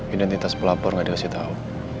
identitas pelapor nggak dikasih tahu